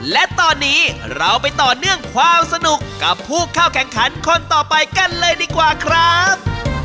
และตอนนี้เราไปต่อเนื่องความสนุกกับผู้เข้าแข่งขันคนต่อไปกันเลยดีกว่าครับ